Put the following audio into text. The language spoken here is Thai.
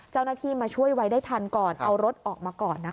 เจ้าหน้าที่มาช่วยไว้ได้ทันก่อนเอารถออกมาก่อนนะคะ